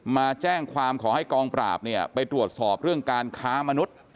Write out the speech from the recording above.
มาแจ้งความขอให้กองปราบเนี่ยไปตรวจสอบเรื่องการค้ามนุษย์